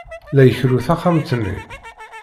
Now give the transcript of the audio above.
La ikerru taxxamt-nni.